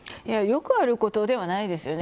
よくあることではないですよね。